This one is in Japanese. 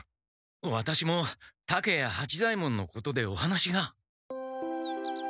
ワタシも竹谷八左ヱ門のことでお話が。